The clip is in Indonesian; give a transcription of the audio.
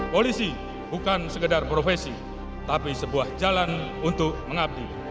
polisi bukan sekedar profesi tapi sebuah jalan untuk mengabdi